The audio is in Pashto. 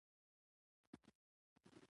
د علومو اکاډمۍ هڅې د ستاینې وړ دي.